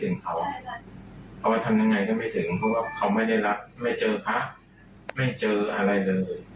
เราก็ไม่ได้ให้เขาตอนนี้เขาก็จะเจอแล้ว